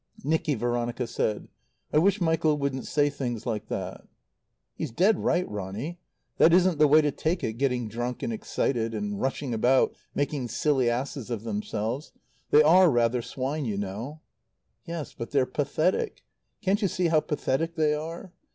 "Nicky," Veronica said, "I wish Michael wouldn't say things like that." "He's dead right, Ronny. That isn't the way to take it, getting drunk and excited, and rushing about making silly asses of themselves. They are rather swine, you know." "Yes; but they're pathetic. Can't you see how pathetic they are?